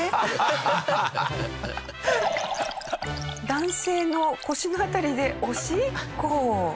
男性の腰の辺りでおしっこ。